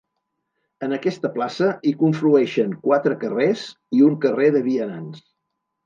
En aquesta plaça hi conflueixen quatre carrers i un carrer de vianants.